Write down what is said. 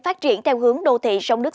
phát triển theo hướng đô thị sông nước